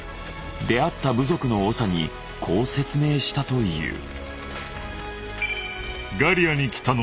出会った部族の長にこう説明したという。